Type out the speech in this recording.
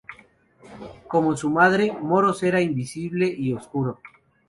Como su madre, Moros era invisible y oscuro.